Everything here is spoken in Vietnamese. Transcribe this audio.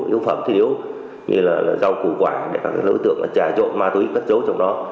yếu phẩm thiết yếu như là rau củ quả để các đối tượng trà trộn ma túy cất dấu trong đó